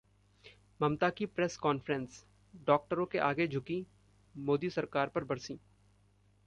ममता की press conference: डॉक्टरों के आगे झुकीं, मोदी सरकार पर बरसीं